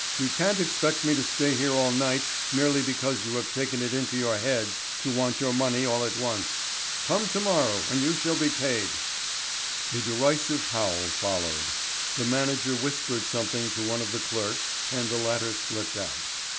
"You can't expect me to stay here all night merely because you have taken it into your heads to want your money all at once. Come to morrow and you shall all be paid." A derisive howl followed. The manager whispered something to one of the clerks and the latter slipped out.